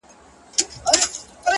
• لا د ځان سره مي وړي دي دامونه,